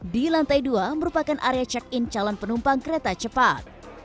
di lantai dua merupakan area check in calon penumpang kereta cepat